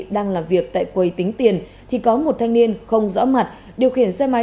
đang làm việc tại quầy tính tiền thì có một thanh niên không rõ mặt điều khiển xe máy